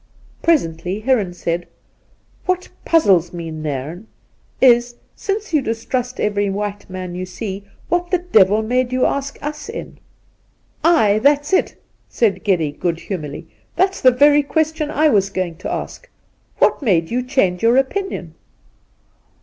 Presently Heron said :' What puzzles me, Nairn, is, since you distrust every white man you see, what the devil made you ask us in ?'• Aye ! that's it,' said Geddy good humouredly. ' That's the very question I was going to ask. What made you change your opinion?'